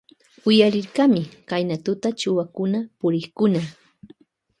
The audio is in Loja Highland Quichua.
Uyarirkami Kayna tuta chuwakuna purikkuna.